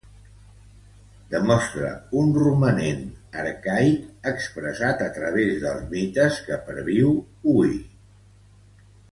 Demostre un «romanent arcaic» expressat a través dels mites que perviu hui.